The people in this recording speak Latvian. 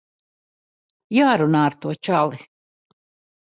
Jārunā ar to čali.